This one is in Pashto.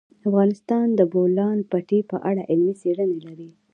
افغانستان د د بولان پټي په اړه علمي څېړنې لري.